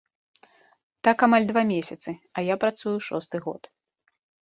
Так амаль два месяцы, а я працую шосты год.